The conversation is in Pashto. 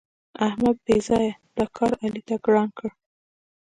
احمد بېځآیه دا کار علي ته ګران کړ.